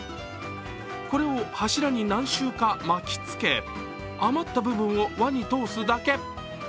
これを柱に何周が巻きつけ、余った部分を輪に通すだけ。